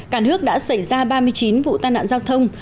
cản hước đã xảy ra ba mươi chín vụ tai nạn giao thông